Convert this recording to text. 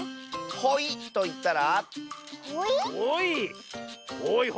「ほい」といったら？